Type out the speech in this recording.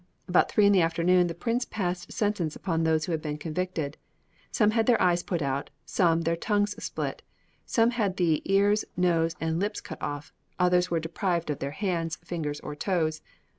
About three in the afternoon the prince passed sentence upon those who had been convicted. Some had their eyes put out, some the tongue split. Some had the ears, nose, and lips cut off; others were deprived of their hands, fingers, or toes.